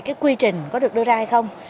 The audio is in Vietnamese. cái quy trình có được đưa ra hay không